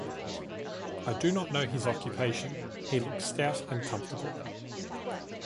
I do not know his occupation; he looks stout and comfortable.